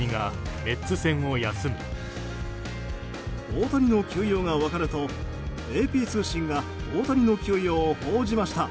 大谷の休養が分かるとＡＰ通信が大谷の休養を報じました。